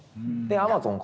アマゾン